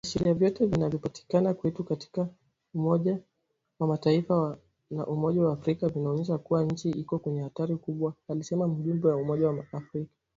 Viashiria vyote vinavyopatikana kwetu katika umoja wa Mataifa na Umoja wa Afrika vinaonyesha kuwa nchi iko kwenye hatari kubwa alisema mjumbe wa Umoja wa Afrika.